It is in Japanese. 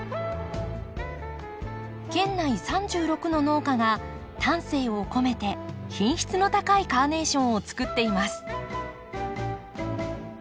県内３６の農家が丹精を込めて品質の高いカーネーションをつくっています。